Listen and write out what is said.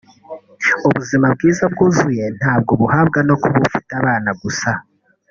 ubuzima bwiza bwuzuye ntabwo ubuhabwa no kuba ifite abana gusa